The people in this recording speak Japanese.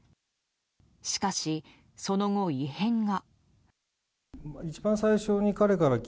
しかしその後、異変が。